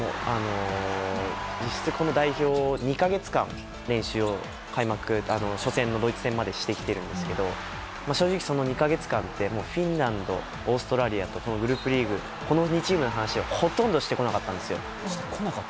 実質、この代表２か月間、練習を開幕戦のドイツ戦までしているんですけど正直、その２か月間ってフィンランド、オーストラリアとグループリーグこの２チームの話はほとんどしてこなかったんですよ。